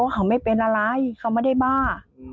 เขาไม่เป็นอะไรเขาไม่ได้บ้า